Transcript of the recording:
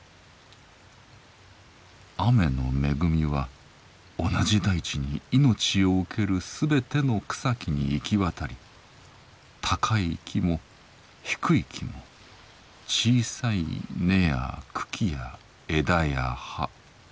雨の恵みは同じ大地にいのちを受けるすべての草木に行き渡り高い木も低い木も小さい根や茎や枝や葉中ほどの根や茎や枝や葉